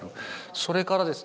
それからですね